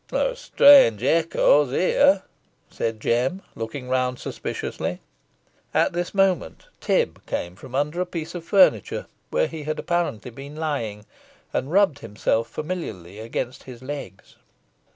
"There are strange echoes here," said Jem, looking round suspiciously. At this moment, Tib came from under a piece of furniture, where he had apparently been lying, and rubbed himself familiarly against his legs.